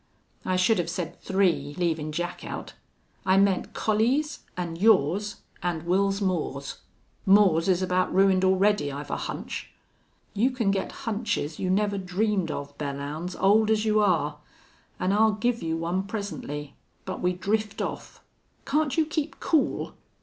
"I should have said three, leavin' Jack out. I meant Collie's an' yours an' Wils Moore's." "Moore's is about ruined already, I've a hunch." "You can get hunches you never dreamed of, Belllounds, old as you are. An' I'll give you one presently.... But we drift off. Can't you keep cool?"